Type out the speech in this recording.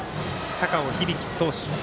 高尾響投手。